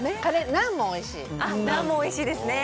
ナンもおいしいですね。